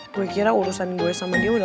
gue kira urusan gue sama dia udah